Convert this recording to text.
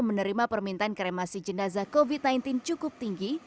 menerima permintaan kremasi jenazah covid sembilan belas cukup tinggi